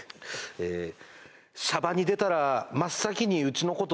「シャバに出たら真っ先にウチのこと」